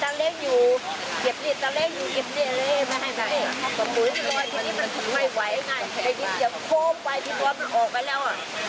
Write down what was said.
กุ้งมาด้วยแล้ว